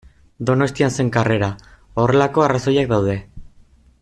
Donostian zen karrera, horrelako arrazoiak daude.